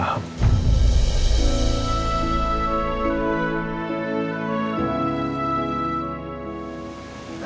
tidak ada yang bisa dikira